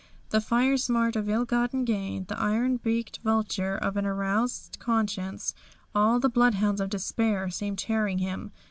The fire smart of ill gotten gain, the iron beaked vulture of an aroused conscience; all the bloodhounds of despair seemed tearing him.